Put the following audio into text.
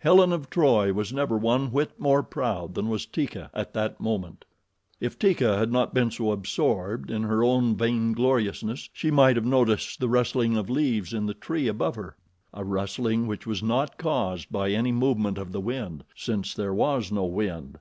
Helen of Troy was never one whit more proud than was Teeka at that moment. If Teeka had not been so absorbed in her own vaingloriousness she might have noted the rustling of leaves in the tree above her a rustling which was not caused by any movement of the wind, since there was no wind.